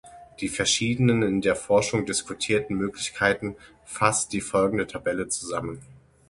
Die verschiedenen in der Forschung diskutierten Möglichkeiten fasst die folgende Tabelle zusammen.